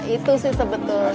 itu sih sebetulnya